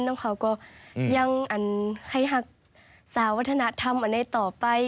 น้องเขาก็ยังให้ศาวัฒนธรรมอันนี้ต่อไป